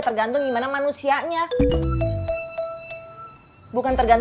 tergantung dimana manusianya